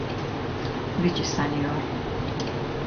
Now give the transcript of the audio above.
Zichy senior.